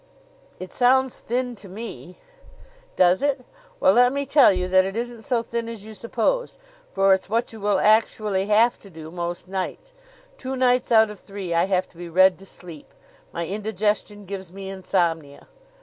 "It sounds thin to me." "Does it? Well, let me tell you that it isn't so thin as you suppose, for it's what you will actually have to do most nights. Two nights out of three I have to be read to sleep. My indigestion gives me insomnia."